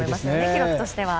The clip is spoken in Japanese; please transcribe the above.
記録としては。